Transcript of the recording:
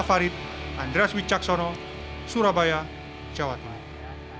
dari andres wicaksono surabaya jawa tenggara